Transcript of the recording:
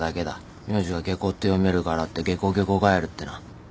名字がゲコって読めるからってゲコゲコガエルってな。